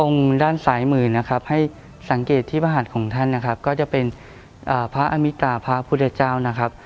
องค์ด้านสายมือให้สังเกตที่พระหัสของท่านก็จะเป็นพระอมิตราพระพุทธเจ้า